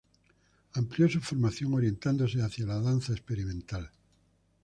Amplió su formación orientándose hacia la danza experimental.